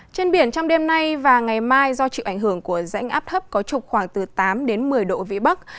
trên biển trong đêm nay và ngày mai do chịu ảnh hưởng của rãnh áp thấp có trục khoảng từ tám đến một mươi độ vĩ bắc